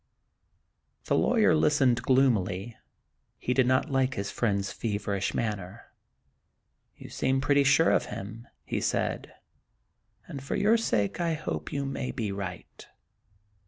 The lawyer listened gloomily; he did not like his friend's feverish manner. " You seem pretty sure of him," he said ; "and for your sake I hope you may be right."